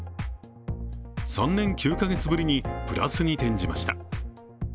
３年９か月ぶりにプラスに転じました。